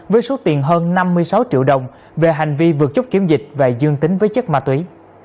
với số tiền hơn năm mươi sáu triệu đồng về hành vi vượt chốt kiểm dịch và dương tính với chất ma túy